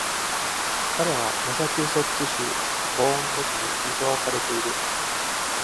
彼はマサチューセッツ州ボーン墓地に埋葬されている。